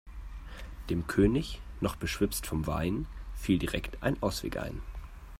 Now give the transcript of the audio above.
Dem König, noch beschwipst vom Wein, fiel direkt ein Ausweg ein.